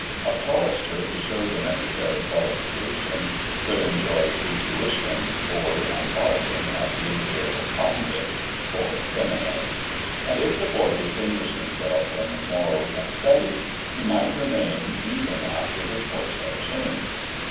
A chorister who showed the necessary qualifications could enjoy free tuition, board and lodging at the Imperial Konvikt (or Seminary); and if the boy distinguished himself "in morals and studies" he might remain even after his voice had changed.